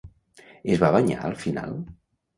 Es va banyar al final?